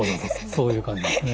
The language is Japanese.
そういう感じですね。